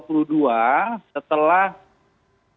kapolres yang baru akbp yogi ini mengemban kurang lebih di bulan